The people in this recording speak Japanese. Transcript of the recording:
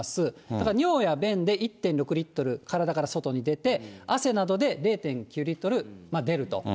だから尿や便で１．６リットル、体から外に出て、汗などで０．９リットル出ると。